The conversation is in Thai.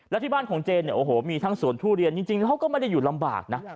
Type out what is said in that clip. และที่บ้านของเจนเนี่ยโอ้โหมีทั้งสวนทุเรียนจริงเขาก็ไม่ได้อยู่ลำบากนะ